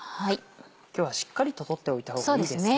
今日はしっかりと取っておいた方がいいですね。